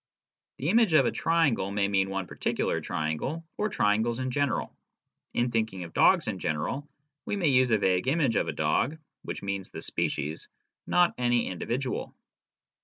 The image of a triangle may mean one particular triangle, or triangles in general. In thinking of dogs in general, we may use a vague image of a dog, which means the species, not any individual.